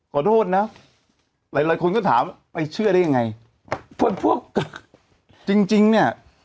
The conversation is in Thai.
ขอโทษนะหลายหลายคนก็ถามไปเชื่อได้ยังไงคนพวกจริงจริงเนี่ย